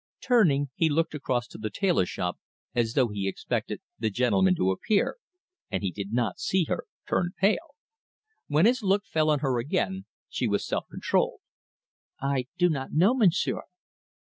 Turning, he looked across to the tailor shop, as though he expected "the gentleman" to appear, and he did not see her turn pale. When his look fell on her again, she was self controlled. "I do not know, Monsieur."